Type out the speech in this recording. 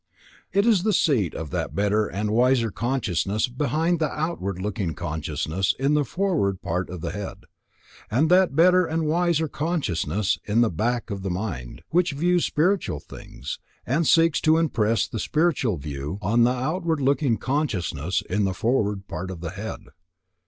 It is the seat of that better and wiser consciousness behind the outward looking consciousness in the forward part of the head; that better and wiser consciousness of "the back of the mind," which views spiritual things, and seeks to impress the spiritual view on the outward looking consciousness in the forward part of the head.